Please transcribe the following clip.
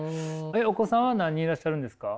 お子さんは何人いらっしゃるんですか？